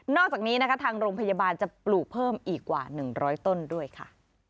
อกจากนี้นะคะทางโรงพยาบาลจะปลูกเพิ่มอีกกว่า๑๐๐ต้นด้วยค่ะ